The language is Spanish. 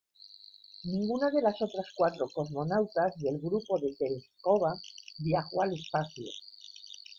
Ninguna de las otras cuatro cosmonautas del grupo de Tereshkova viajó al espacio.